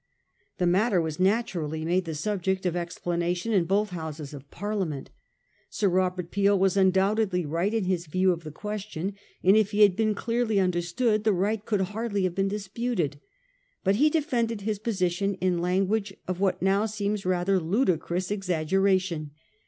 The matter was naturally made the subject of explanation in both Houses of Parliament. Sir Robert Peel was undoubtedly right in his view of the question, and if he had been clearly understood the right could hardly have been disputed ; but he de fended his position in language of what now seems rather ludicrous exaggeration.